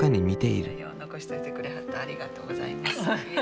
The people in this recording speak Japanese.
残しといてくれはってありがとうございます。